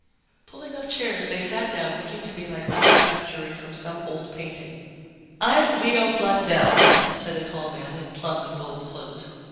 Pulling up chairs, they sat down, looking to me like a witchcraft jury from some old painting. "I'm Leo Blundell," said a tall man in plum and gold clothes.